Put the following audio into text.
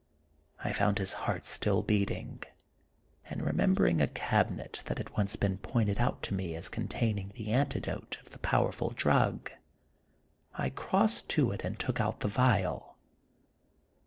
I found his heart still beating, and remembering a cabinet had once been pointed out to me as con Dr. Jekyll and Mr. Hyde. 37 taining the antidote of the powerful drug, I crossed to it and took out the vial.